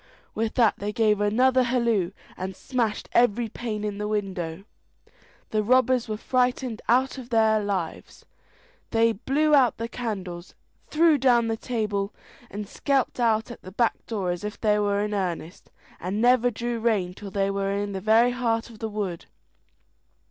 With that they gave another halloo, and smashed every pane in the window. The robbers were frightened out of their lives. They blew out the candles, threw down the table, and skelped out at the back door as if they were in earnest, and never drew rein till they were in the very heart of the wood.